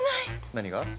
何が？